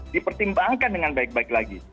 dipertimbangkan dengan baik baik lagi